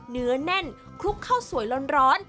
เนื้อแน่นคลุกข้าวสวยร้อน